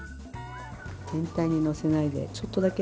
全体にのせないでちょっとだけ。